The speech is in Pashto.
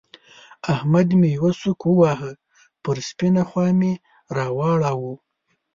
احمد مې يوه سوک وواهه؛ پر سپينه خوا مې را واړاوو.